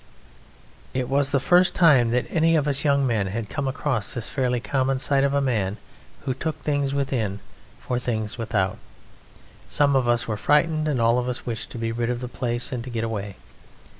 It was the first time that any of us young men had come across this fairly common sight of a man who took things within for things without; some of us were frightened, and all of us wished to be rid of the place and to get away.